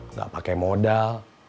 nggak pakai modal